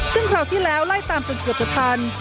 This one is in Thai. ซึ่งคราวที่แล้วไล่ตามจนเกือบจะทัน